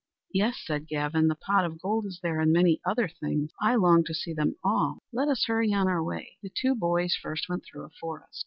"Yes," said Gavin, "the pot of gold is there and many other things. I long to see them all. Let us hurry on our way." The two boys first went through a forest.